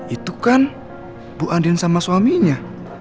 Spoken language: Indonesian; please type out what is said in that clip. itu kan bu andin sama suaminya